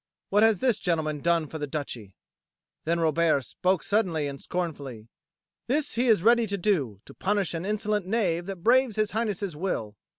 "What has this gentleman done for the Duchy?" Then Robert spoke suddenly and scornfully: "This he is ready to do, to punish an insolent knave that braves His Highness's will."